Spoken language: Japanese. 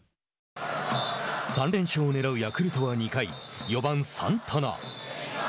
３連勝をねらうヤクルトは２回４番サンタナ。